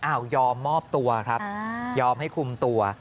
ยอมมอบตัวครับยอมให้คุมตัว